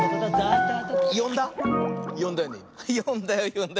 よんだ？